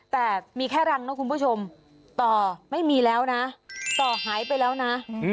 แต่มีแค่รังนะคุณผู้ชมต่อไม่มีแล้วนะต่อหายไปแล้วนะ